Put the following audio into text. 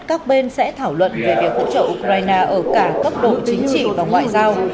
các bên sẽ thảo luận về việc hỗ trợ ukraine ở cả cấp độ chính trị và ngoại giao